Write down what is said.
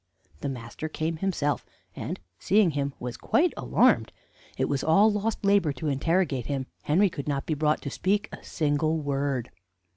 "The master came himself, and, seeing him, was quite alarmed. It was all lost labor to interrogate him. Henry could not be brought to speak a single word.